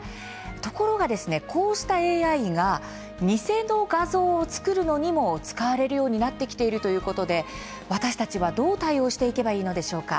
ところが、こうしたＡＩが偽の画像を作るのにも使われるようになってきているということで私たちは、どう対応していけばいいのでしょうか。